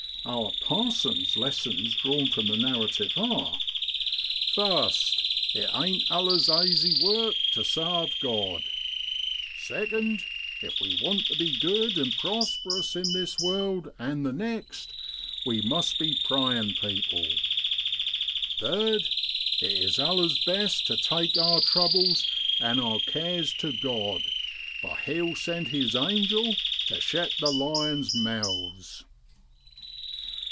Our 'parson's' lessons drawn from the narrative are, 'First It ain't allers aisy work tu sarve God ; second, If we want tu be good an' prosperous in this world an' the next, we must be prayin' people; third, It is allers best tu take our troubles an' our cares tu God, for He'll sefld His angel tu shet the lions' mouths.'